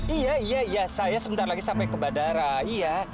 iya iya saya sebentar lagi sampai ke bandara iya